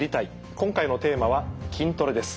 今回のテーマは「筋トレ」です。